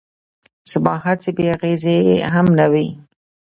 زما هڅې بې اغېزې هم نه وې.